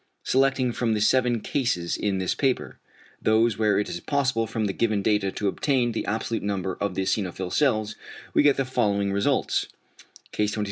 Selecting from the seven cases in this paper, those where it is possible from the given data to obtain the absolute number of the eosinophil cells, we get the following results: Case 29 3.